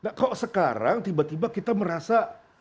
nah kok sekarang tiba tiba kita merasa